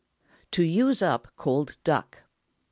TO USE UP COLD DUCK.